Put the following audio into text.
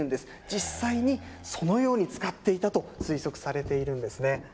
実際にそのように使っていたと推測されているんですね。